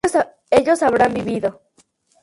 ellos habrán vivido